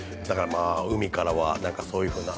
海からはそういうふうな。